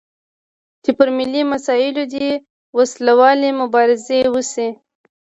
چې پر ملي مسایلو دې وسلوالې مبارزې وشي.